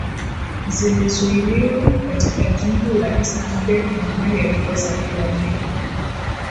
Zilizuiliwa katika jimbo la Eastern Cape mahali alipozaliwa Biko